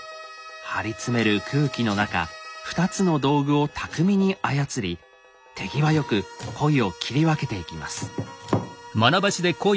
張り詰める空気の中２つの道具を巧みに操り手際良くコイを切り分けていきます。